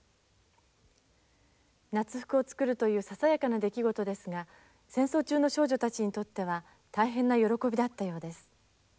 夏服を作るというささやかな出来事ですが戦争中の少女たちにとっては大変な喜びだったようです。